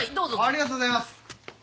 ありがとうございます。